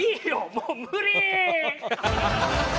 もう無理ー！